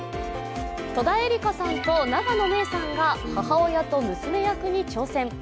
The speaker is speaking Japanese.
戸田恵梨香さんと永野芽郁さんが母親と娘役に挑戦。